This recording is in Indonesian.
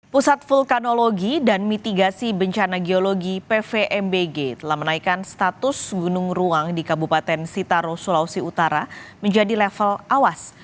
pusat vulkanologi dan mitigasi bencana geologi pvmbg telah menaikkan status gunung ruang di kabupaten sitaro sulawesi utara menjadi level awas